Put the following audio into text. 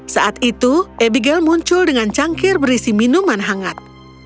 saat itu abigail muncul dengan cangkir berisi minuman hangat